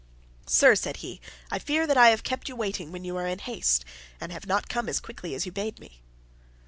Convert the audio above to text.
"Sir," said he, "I fear that I have kept you waiting when you are in haste, and have not come as quickly as you bade me."